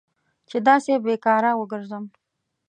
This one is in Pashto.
چې داسې بې کاره وګرځم.